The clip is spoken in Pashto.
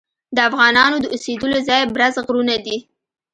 د افغانانو د اوسیدلو ځای برز غرونه دي.